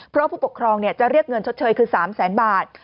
เพราะผู้ปกครองจะเรียกเงินชดเชยคือ๓แสนบาท